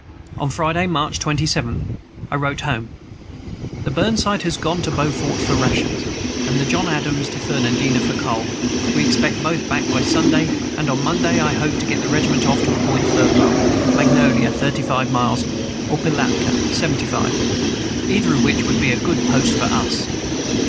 On Friday, March 27th, I wrote home: "The Burnside has gone to Beaufort for rations, and the John Adams to Fernandina for coal; we expect both back by Sunday, and on Monday I hope to get the regiment off to a point farther up, Magnolia, thirty five miles, or Pilatka, seventy five, either of which would be a good post for us.